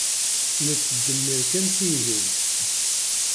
Nettdemmir kan tihin.